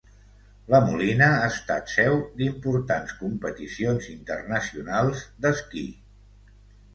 La Molina ha estat seu d'importants competicions internacionals d'esquí.